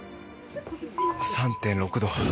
３．６度。